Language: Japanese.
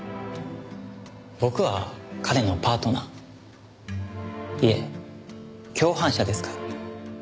僕は彼のパートナーいえ共犯者ですから。